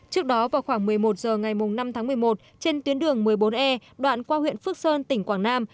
trước đó vào khoảng một mươi một h ngày năm tháng một mươi một trên tuyến đường một mươi bốn e đoạn qua huyện phước sơn tỉnh quảng nam